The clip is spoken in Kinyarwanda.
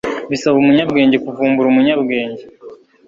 Bisaba umunyabwenge kuvumbura umunyabwenge.